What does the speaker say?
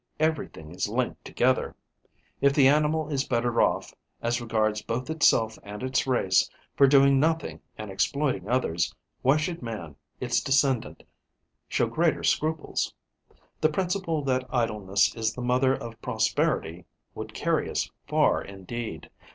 Everything is linked together: if the animal is better off, as regards both itself and its race, for doing nothing and exploiting others, why should man, its descendant, show greater scruples? The principle that idleness is the mother of prosperity would carry us far indeed.